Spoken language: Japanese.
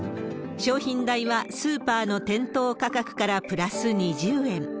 商品代はスーパーの店頭価格からプラス２０円。